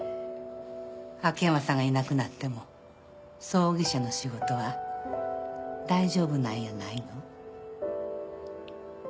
秋山さんがいなくなっても葬儀社の仕事は大丈夫なんやないの？